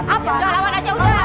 udah lawan aja udah